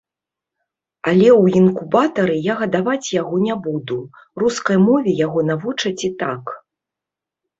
Але ў інкубатары я гадаваць яго не буду, рускай мове яго навучаць і так.